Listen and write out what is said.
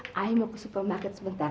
ayo mau ke supermarket sebentar